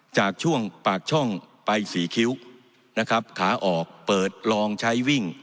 จากช่วงปากช่องไปสี่คิ้วนะครับขาออกเปิดลองใช้วิ่ง